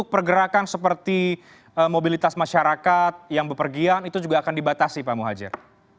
pergerakan seperti mobilitas masyarakat yang bepergian itu juga akan dibatasi pak muhajir